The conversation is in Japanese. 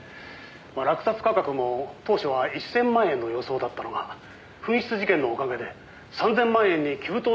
「落札価格も当初は１０００万円の予想だったのが紛失事件のおかげで３０００万円に急騰したと言われているそうです」